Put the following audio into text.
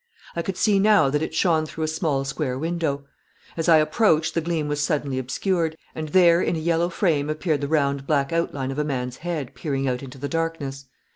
I could see now that it shone through a small square window. As I approached the gleam was suddenly obscured, and there in a yellow frame appeared the round black outline of a man's head peering out into the darkness.